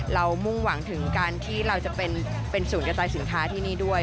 มุ่งหวังถึงการที่เราจะเป็นศูนย์กระจายสินค้าที่นี่ด้วย